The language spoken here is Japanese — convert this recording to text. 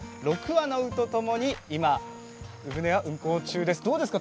６羽の鵜とともに今、鵜舟運航中です。